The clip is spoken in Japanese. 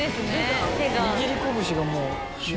握り拳がもう。